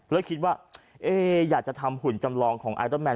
เลยคิดว่าอยากจะทำหุ่นจำลองของไอเตอร์แนน